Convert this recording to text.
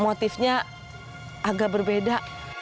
motifnya agak berbeda